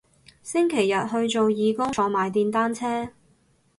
星期日去做義工坐埋電單車